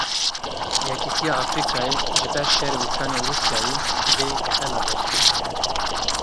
Yekîtiya Afrîkayê Ji ber şerê Ukrayna û Rûsyayê dê xela dest pê bike.